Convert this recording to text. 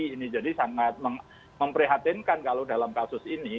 ini jadi sangat memprihatinkan kalau dalam kasus ini